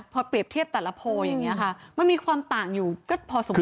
พอเปรียบเทียบแต่ละโพลอย่างนี้ค่ะมันมีความต่างอยู่ก็พอสมค